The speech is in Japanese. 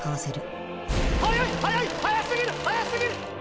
速すぎる速すぎる！